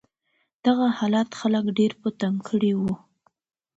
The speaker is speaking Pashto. دغه حالت خلک ډېر په تنګ کړي و.